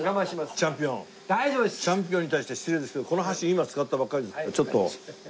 チャンピオンチャンピオンに対して失礼ですけどこの箸今使ったばっかりですけどちょっと。